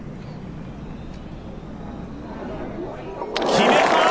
決めた！